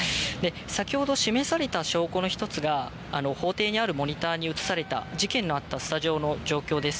先ほど示された証拠の１つが法廷にあるモニターに映された事件のあったスタジオの状況です。